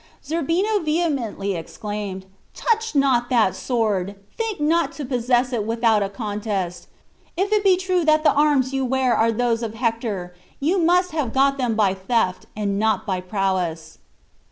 Zerbino vehemently exclaimed, "Touch not that sword. Think not to possess it without a contest. If it be true that the arms you wear are those of Hector, you must have got them by theft, and not by prowess."